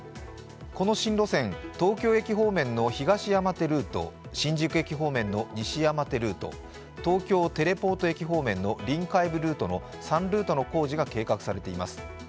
この新路線、東京駅方面の東山手ルート、新宿駅方面の西山手ルート、東京テレポート駅方面の臨海部ルートの３ルートの工事が計画されています